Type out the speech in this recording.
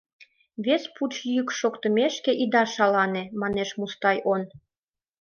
Вес пуч йӱк шоктымешке ида шалане, — манеш Мустай он.